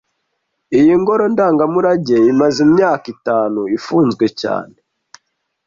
Iyi ngoro ndangamurage imaze imyaka itanu ifunzwe cyane